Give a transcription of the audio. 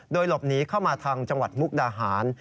โดยหลบหนีเข้ามาทางจังหวัดมุกดาหาร